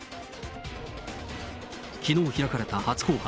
きのう開かれた初公判。